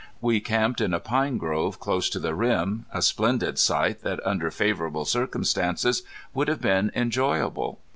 We camped in a pine grove close to the rim, a splendid site that under favorable circumstances would have been enjoyable.